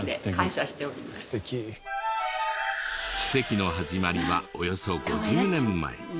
奇跡の始まりはおよそ５０年前。